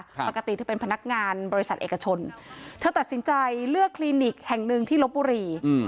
ปกติเธอเป็นพนักงานบริษัทเอกชนเธอตัดสินใจเลือกคลินิกแห่งหนึ่งที่ลบบุรี